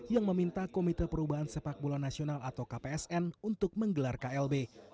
yang meminta komite perubahan sepak bola nasional atau kpsn untuk menggelar klb